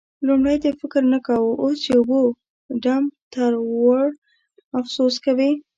لومړی دې فکر نه کاوو؛ اوس چې اوبو ډم در وړ، افسوس کوې.